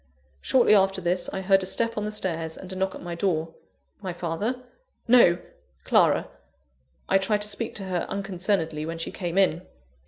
Shortly after this, I heard a step on the stairs and a knock at my door. My father? No! Clara. I tried to speak to her unconcernedly, when she came in.